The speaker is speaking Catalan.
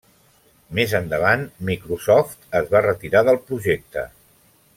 Més endavant, Microsoft es va retirar del projecte.